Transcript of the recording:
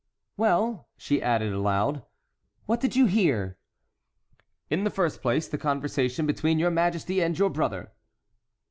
"Well," added she, aloud, "what did you hear?" "In the first place, the conversation between your majesty and your brother."